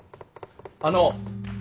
あの。